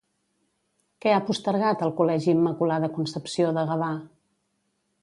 Què ha postergat el Col·legi Immaculada Concepció de Gavà?